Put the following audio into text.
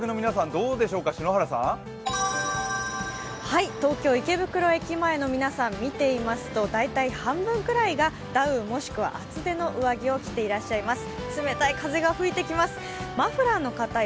どうでしょうか東京・池袋駅前の皆さんを見てみますと大体半分くらいがダウンもしくは厚手の上着を着ていらっしゃいます。